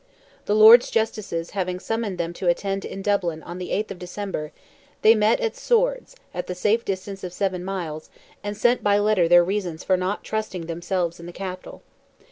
The Lords Justices having summoned them to attend in Dublin on the 8th of December, they met at Swords, at the safe distance of seven miles, and sent by letter their reasons for not trusting themselves in the capital.